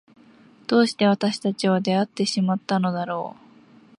どうして私たちは出会ってしまったのだろう。